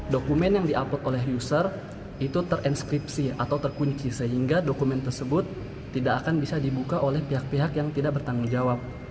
dokumen yang di upload oleh user itu terinskripsi atau terkunci sehingga dokumen tersebut tidak akan bisa dibuka oleh pihak pihak yang tidak bertanggung jawab